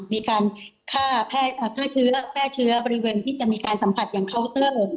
มีการฆ่าเชื้อแพร่เชื้อบริเวณที่จะมีการสัมผัสอย่างเคาน์เตอร์